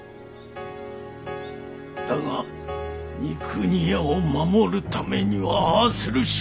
だが三国屋を守るためにはああするしかなかった。